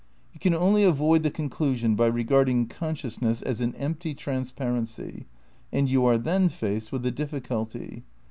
You can only avoid the conclusion by regarding con sciousness as an empty transparency; and you are then faced with a difficulty.